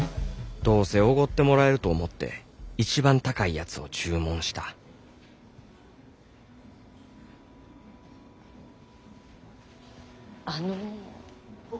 どうせおごってもらえると思って一番高いやつを注文したあの。